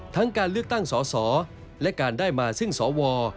การเลือกตั้งสอสอและการได้มาซึ่งสว